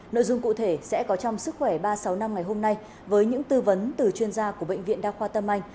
nội dung cụ thể sẽ có trong sức khỏe ba trăm sáu mươi năm ngày hôm nay với những tư vấn từ chuyên gia của bệnh viện đa khoa tâm anh